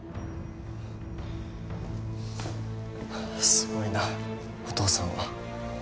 すごいなお父さんは。